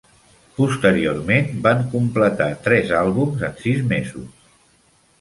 Posteriorment van completar tres àlbums en sis mesos.